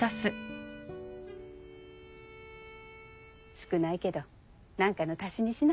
少ないけど何かの足しにしな。